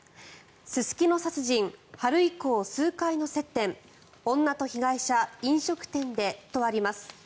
すすきの殺人春以降、数回の接点女と被害者、飲食店でとあります。